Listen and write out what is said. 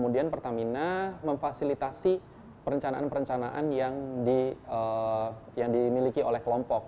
dan perencanaan yang dimiliki oleh kelompok